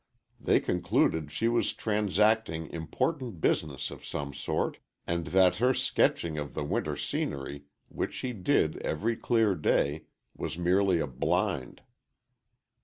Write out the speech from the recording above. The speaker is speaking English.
They concluded she was transacting important business of some sort, and that her sketching of the winter scenery, which she did every clear day, was merely a blind.